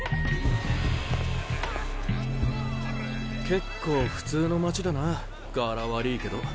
結構普通の町だなガラ悪ぃけど。